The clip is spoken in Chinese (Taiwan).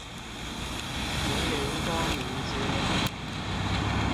員林光明街